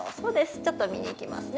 ちょっと見にいきますね